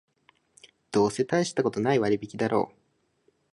どうせたいしたことない割引だろう